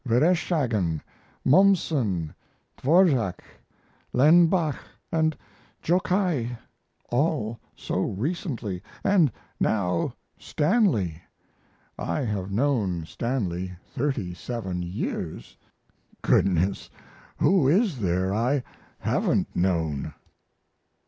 Vereshchagin, Mommsen, Dvorak, Lenbach, & Jokai, all so recently, & now Stanley. I have known Stanley 37 years. Goodness, who is there I haven't known?